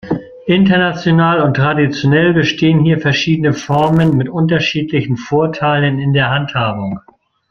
International und traditionell bestehen hier verschiedene Formen mit unterschiedlichen Vorteilen in der Handhabung.